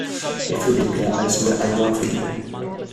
If you declare, I swear I won't field.